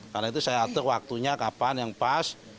karena itu saya atur waktunya kapan yang pas